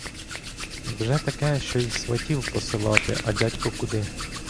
Вже таке, що й сватів посилати, а дядько куди!